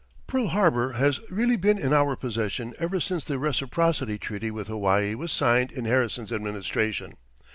Pearl Harbour has really been in our possession ever since the Reciprocity Treaty with Hawaii was signed in Harrison's administration.